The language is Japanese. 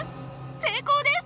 成功です！